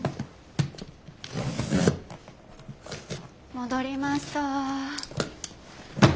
戻りました。